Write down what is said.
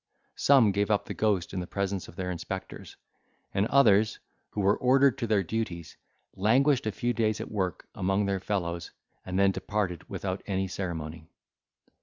Some gave up the ghost in the presence of their inspectors; and others, who were ordered to their duties, languished a few days at work among their fellows, and then departed without any ceremony.